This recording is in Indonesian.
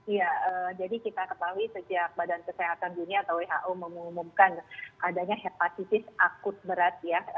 iya jadi kita ketahui sejak badan kesehatan dunia atau who mengumumkan adanya hepatitis akut berat ya